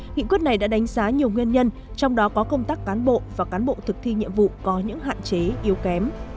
nghị quyết này đã đánh giá nhiều nguyên nhân trong đó có công tác cán bộ và cán bộ thực thi nhiệm vụ có những hạn chế yếu kém